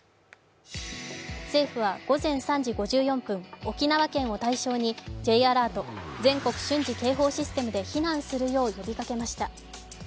政府は午前３時５４分、沖縄県を対象にＪアラート＝全国瞬時警報システムで避難するよう呼びかけました。